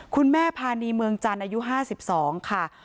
คุณแม่พาณีเมืองจันทร์อายุ๕๒ค่ะ